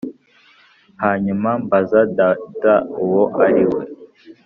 hanyuma mbaza data uwo ari we.